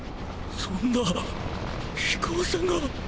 そんな⁉飛行船が！！